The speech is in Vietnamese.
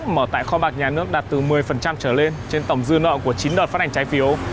mở tại kho bạc nhà nước đạt từ một mươi trở lên trên tổng dư nợ của chín đợt phát hành trái phiếu